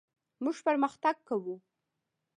موږ پرمختګ کوو.